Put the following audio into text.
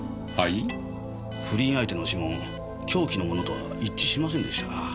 不倫相手の指紋凶器のものとは一致しませんでした。